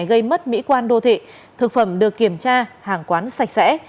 gây mất mỹ quan đô thị thực phẩm được kiểm tra hàng quán sạch sẽ